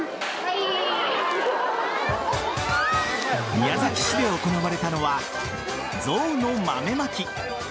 宮崎市で行われたのは象の豆まき。